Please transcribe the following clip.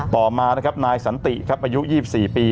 ต่อมานะครับนายสันติยุอาจ๒๔ปี